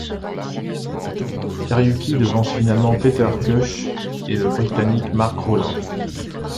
Kariuki devance finalement Peter Koech et le Britannique Mark Rowland.